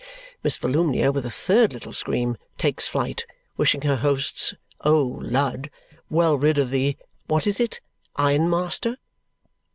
Miss Volumnia with a third little scream takes flight, wishing her hosts O Lud! well rid of the what is it? ironmaster!